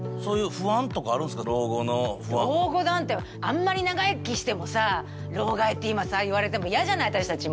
老後なんてあんまり長生きしてもさ老害って今さ言われても嫌じゃない私たちも。